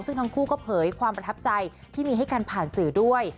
ซึ่งทั้งคู่ก็เผยความประทับใจที่มีให้กันผ่านสื่อด้วย